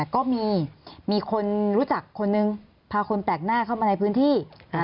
ก็มีคนรู้จักคนนึงพาคนแปลกหน้าเข้ามาในพื้นที่